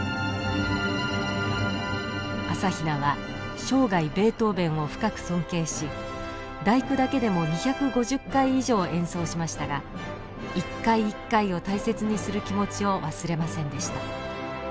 朝比奈は生涯ベートーベンを深く尊敬し「第九」だけでも２５０回以上演奏しましたが一回一回を大切にする気持ちを忘れませんでした。